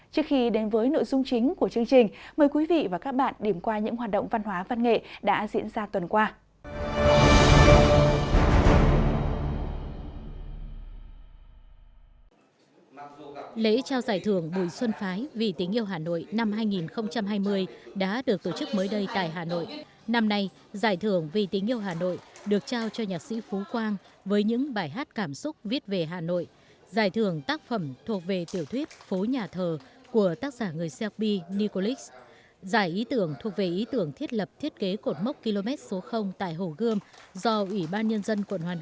trước khi đến với nội dung chính của chương trình